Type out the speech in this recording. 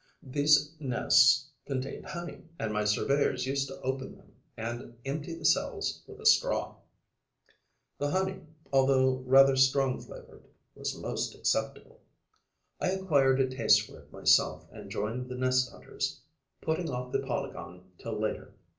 These nests contained honey; and my surveyors used to open them and empty the cells with a straw. The honey, although rather strong flavoured, was most acceptable. I acquired a taste for it myself and joined the nest hunters, putting off the polygon till later.